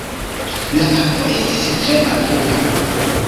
La akvo estis tre malpura.